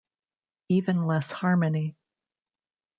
Even less harmony.